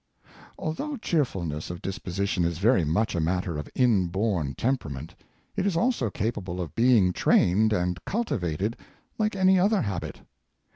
Although cheerfulness of disposition is very much a matter of inborn temperament, it is also capable of be ing trained and cultivated like any other habit.